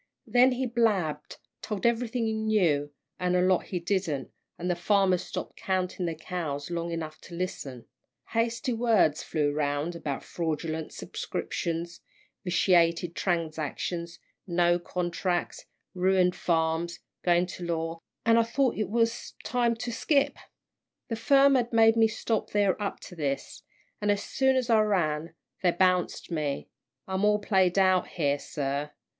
"Then he blabbed, told everything he knew, an' a lot he didn't, an' the farmers stopped counting their cows long enough to listen. Hasty words flew round, about fraudulent subscriptions, vitiated transactions, no contracts, ruined farms, going to law an' I thought it was time to skip. The firm had made me stop there up to this, an' as soon as I ran, they bounced me I'm all played out here, sir.